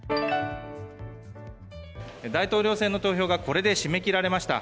大統領選の投票がこれで締め切られました。